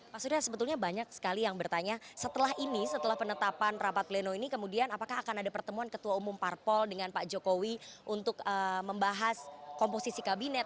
pak surya sebetulnya banyak sekali yang bertanya setelah ini setelah penetapan rapat pleno ini kemudian apakah akan ada pertemuan ketua umum parpol dengan pak jokowi untuk membahas komposisi kabinet